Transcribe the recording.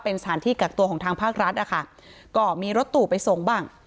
เป็นสถานที่กักตัวของทางภาครัฐอะค่ะก็มีรถตู่ไปส่งบ้าง